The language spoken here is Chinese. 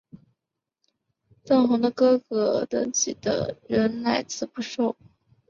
邓弘的哥哥邓骘等人仍辞不受。